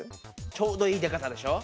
ちょうどいいデカさでしょ？